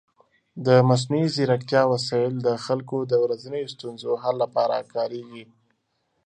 د مصنوعي ځیرکتیا وسایل د خلکو د ورځنیو ستونزو حل لپاره کارېږي.